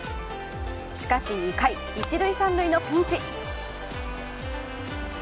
しかし、２回一塁、三塁のピンチ。